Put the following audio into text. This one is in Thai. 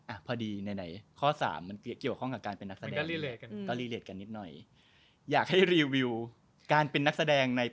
อ่ะพอดีในข้อ๓มันเกี่ยวกับการเป็นนักแสดงมันก็รีเลทกันนิดหน่อย